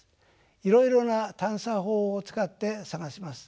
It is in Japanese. いろいろな探査法を使って探します。